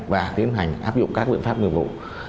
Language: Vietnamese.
và tiến hành áp dụng các biện pháp nghiệp vụ